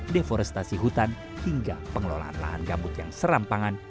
deforestasi hutan hingga pengelolaan lahan gambut yang serampangan